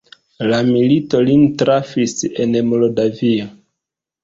La milito lin trafis en Moldavio.